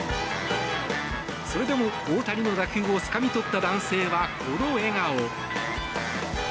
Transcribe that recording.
それでも大谷の打球をつかみ取った男性はこの笑顔。